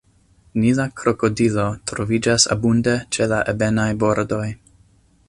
Nila krokodilo troviĝas abunde ĉe la ebenaj bordoj.